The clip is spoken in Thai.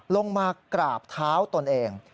ลงมากราบเท้าตนเอง